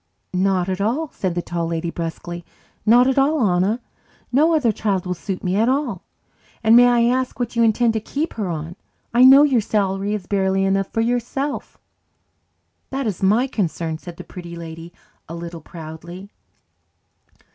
"Not at all," said the Tall Lady brusquely. "Not at all, Anna. No other child will suit me at all. And may I ask what you intend to keep her on? I know your salary is barely enough for yourself." "That is my concern," said the Pretty Lady a little proudly.